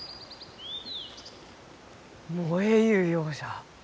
燃えゆうようじゃ。